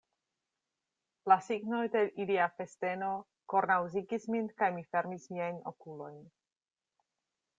La signoj de ilia festeno kornaŭzigis min, kaj mi fermis miajn okulojn.